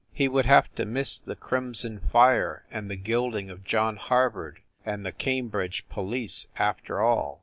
He would have to miss the crimson fire and the gilding of John Harvard and the Cambridge police after all.